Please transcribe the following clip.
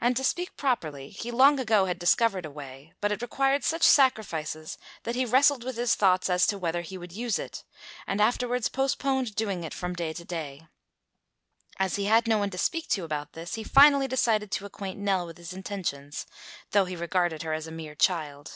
And to speak properly, he long ago had discovered a way, but it required such sacrifices that he wrestled with his thoughts as to whether he would use it and afterwards postponed doing it from day to day. As he had no one to speak to about this, he finally decided to acquaint Nell with his intentions, though he regarded her as a mere child.